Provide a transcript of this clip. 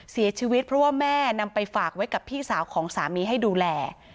เสียชีวิตเพราะว่าแม่นำไปฝากไว้กับพี่สาวของสามีให้ดูแล